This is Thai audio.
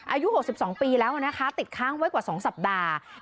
อายุ๖๒ปีแล้วนะคะติดค้างไว้กว่า๒สัปดาห์